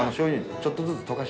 ちょっとずつ溶かす！？